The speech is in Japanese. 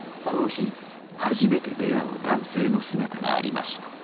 この日初めて出会う男性の姿がありました。